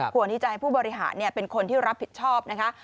ควรที่จะให้ผู้บริหารเป็นคนที่รับผิดชอบนะคะ